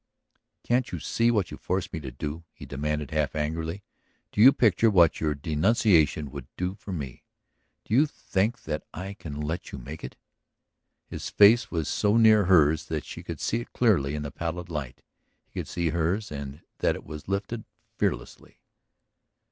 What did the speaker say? "Can't you see what you force me to do?" he demanded half angrily. "Do you picture what your denunciation would do for me? Do you think that I can let you make it?" His face was so near hers that she could see it clearly in the pallid light. He could see hers and that it was lifted fearlessly.